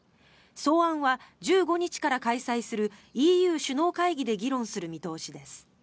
草案は１５日から開催するＥＵ首脳会議で議論する見通しです。